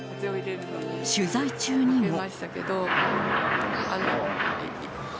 取材中にも。